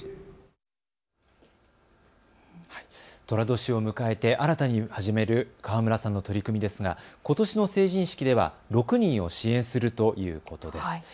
とら年を迎えて新たに始める河村さんの取り組みですが、ことしの成人式では６人を支援するということです。